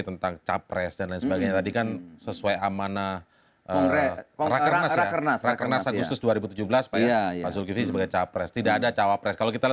pertanyaan mana tadi